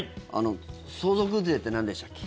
相続税ってなんでしたっけ？